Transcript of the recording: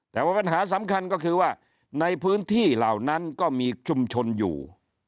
แต่ว่าปัญหาสำคัญก็คือว่าในพื้นที่เหล่านั้นก็มีชุมชนอยู่